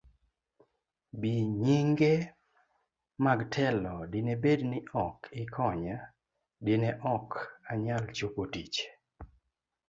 B. Nyinge mag telo Dine bed ni ok ikonya, dine ok anyal chopo tich